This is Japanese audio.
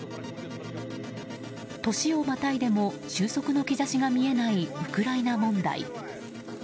年をまたいでも収束の兆しが見えないウクライナ問題。